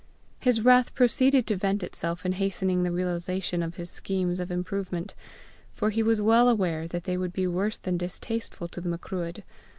His wrath proceeded to vent itself in hastening the realization of his schemes of improvement, for he was well aware they would be worse than distasteful to the Macruadh.